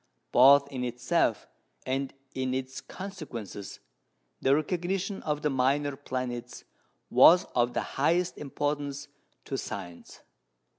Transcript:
Both in itself and in its consequences the recognition of the minor planets was of the highest importance to science.